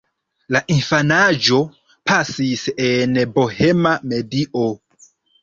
La infanaĝo pasis en bohema medio.